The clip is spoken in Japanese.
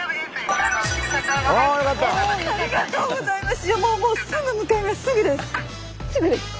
ありがとうございます！